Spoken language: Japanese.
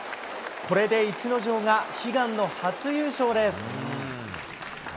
これで逸ノ城が悲願の初優勝です。